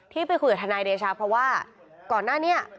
ไปคุยกับทนายเดชาเพราะว่าก่อนหน้านี้